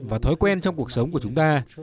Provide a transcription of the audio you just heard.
và thói quen trong cuộc sống của chúng ta